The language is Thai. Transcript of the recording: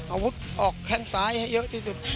อาวุธออกแข้งซ้ายให้เยอะที่สุด